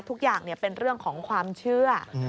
ทุกอย่างเป็นเรื่องของความเชื่อ